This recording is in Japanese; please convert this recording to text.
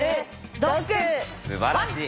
すばらしい。